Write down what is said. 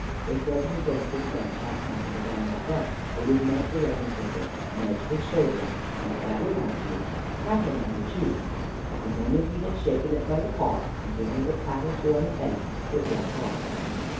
If rubbing against his legs had not the desired effect, it would mount the writing table, nudge his shoulder, and if that would not do, pat him on the cheek; but the moment he had shaken it by the paw, and given it a pat or two on the head, it walked off.